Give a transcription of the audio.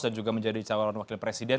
dan juga menjadi calon wakil presiden